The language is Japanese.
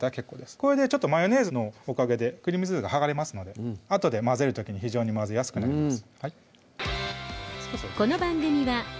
これでマヨネーズのおかげでクリームチーズが剥がれますのであとで混ぜる時に非常に混ぜやすくなります